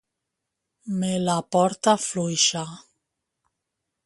Me la porta fluixa.